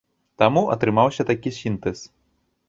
Таму атрымаўся такі сінтэз.